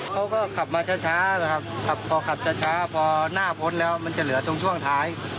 เขาก็ขับมาช้านะครับขับพอขับช้าพอหน้าพ้นแล้วมันจะเหลือตรงช่วงท้าย